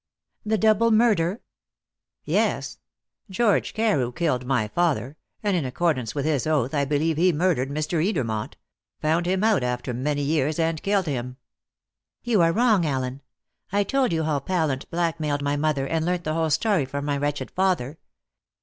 "The double murder?" "Yes. George Carew killed my father; and, in accordance with his oath, I believe he murdered Mr. Edermont found him out after many years and killed him." "You are wrong, Allen. I told you how Pallant blackmailed my mother, and learnt the whole story from my wretched father.